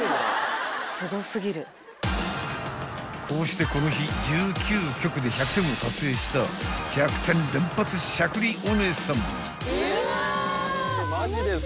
［こうしてこの日１９曲で１００点を達成した１００点連発しゃくりおねえさん］